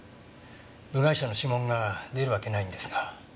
部外者の指紋が出るわけないんですが。